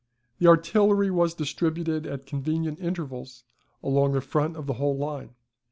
The artillery was distributed at convenient intervals along the front of the whole line.